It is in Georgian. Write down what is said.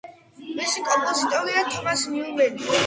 მისი კომპოზიტორია თომას ნიუმენი.